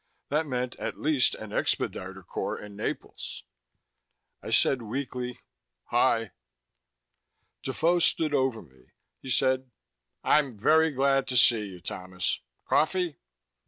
That meant at least an expediter corps in Naples! I said weakly, "Hi." Defoe stood over me. He said, "I'm very glad to see you, Thomas. Coffee?"